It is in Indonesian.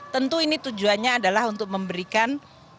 tentu ini tujuannya adalah untuk memberikan